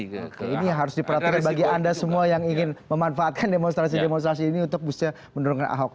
oke ini harus diperhatikan bagi anda semua yang ingin memanfaatkan demonstrasi demonstrasi ini untuk bisa menurunkan ahok